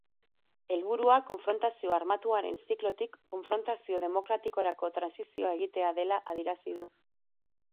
Helburua konfrotazio armatuaren ziklotik konfrontazio demokratikorako trantsizioa egitea dela adierazi du.